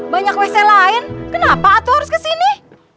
banyak wc lain kenapa atuh harus ke sini